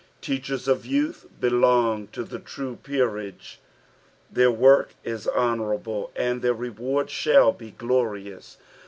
Teachers of youth belong to the true peerage; their work is honourable, and their reward shall be glorious.